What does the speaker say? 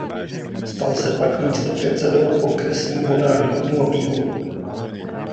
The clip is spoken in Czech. Stal se pak místopředsedou okresního národního výboru.